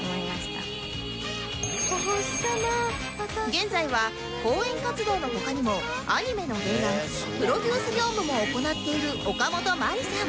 現在は講演活動の他にもアニメの原案プロデュース業務も行っているおかもとまりさん